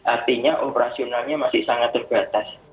artinya operasionalnya masih sangat terbatas